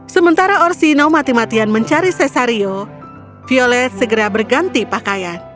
sementara orsino mati matian mencari cesario violet segera berganti pakaian